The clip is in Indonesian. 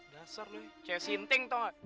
dasar lo ya cewe sinting toh